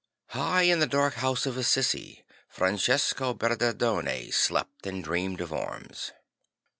High in the dark house of Assisi Francesco Bernardone slept and dreamed of arms.